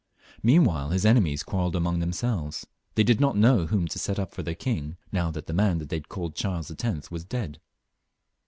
Meanwhile his' enemies quarrelled among themselves; they did not know whom to set up for their king, now that the man they had called Charles X. was dead.